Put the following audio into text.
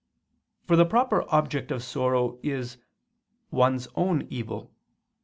For the proper object of sorrow is _one's own evil.